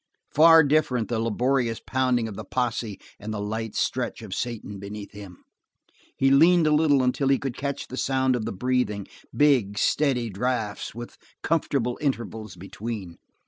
Far different the laborious pounding of the posse and the light stretch of Satan beneath him. He leaned a little until he could catch the sound of the breathing, big, steady draughts with comfortable intervals between.